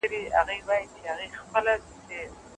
صابون مکروبونه وژني.